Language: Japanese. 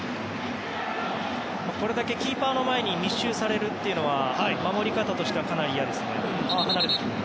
これだけキーパーの前に密集されるというのは守り方としてはかなり嫌ですね。